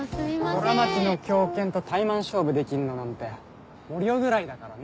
「空町の狂犬」とタイマン勝負できんのなんて森生ぐらいだからな。